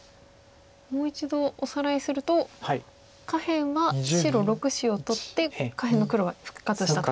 もう一度おさらいすると下辺は白６子を取って下辺の黒は復活したと。